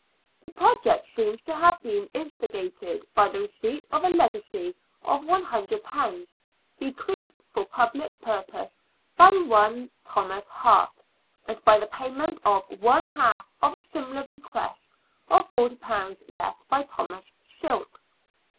The project seems to have been instigated by the receipt of a legacy of £100, bequeathed for public purposes by one Thomas Hart, and by the payment of one half of a similar bequest of £40 left by Thomas Silk.